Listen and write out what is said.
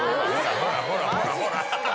ほらほらほら。